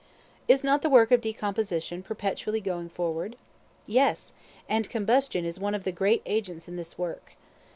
Is not the work of decomposition perpetually going forward? Yes; and combustion is one of the great agents in this work.